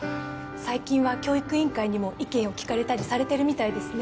最近は教育委員会にも意見を聞かれたりされてるみたいですね